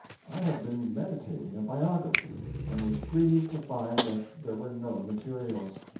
I had been meditating a biography, and was grieved to find that there were no materials.